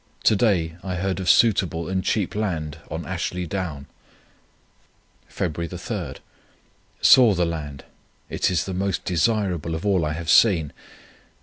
To day I heard of suitable and cheap land on Ashley Down. "Feb. 3. Saw the land. It is the most desirable of all I have seen.